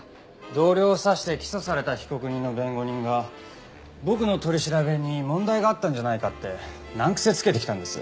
同僚を刺して起訴された被告人の弁護人が僕の取り調べに問題があったんじゃないかって難癖つけてきたんです。